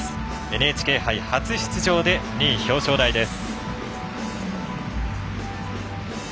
ＮＨＫ杯初出場で２位表彰台です。